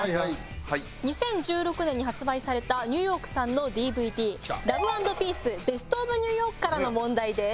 ２０１６年に発売されたニューヨークさんのＤＶＤ『Ｌｏｖｅ＆Ｐｅａｃｅベスト・オブ・ニューヨーク』からの問題です。